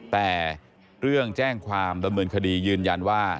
แต่เรื่องแจ้งความดำเนินคดียืนยันว่า